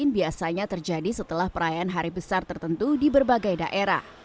biasanya terjadi setelah perayaan hari besar tertentu di berbagai daerah